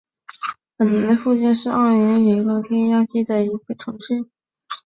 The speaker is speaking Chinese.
莱奥本附近圣斯特凡是奥地利施蒂利亚州莱奥本县的一个市镇。